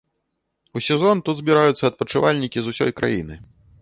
У сезон тут збіраюцца адпачывальнікі з усёй краіны.